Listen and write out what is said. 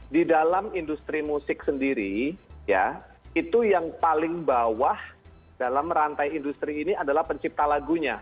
di dalam industri musik sendiri ya itu yang paling bawah dalam rantai industri ini adalah pencipta lagunya